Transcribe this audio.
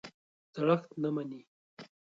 زړښت نه مني.